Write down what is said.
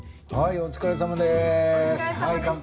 お疲れさまでした。